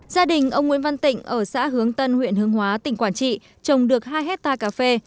gia đình ông nguyễn văn tịnh ở xã hướng tân huyện hương hóa tỉnh quảng trị trồng được hai hectare cà phê